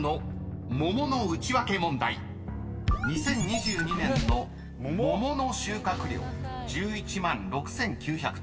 ［２０２２年の桃の収穫量１１万６，９００ｔ］